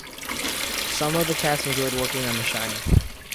Some of the cast enjoyed working on "The Shining".